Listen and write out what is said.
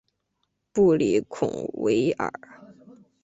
布里孔维尔。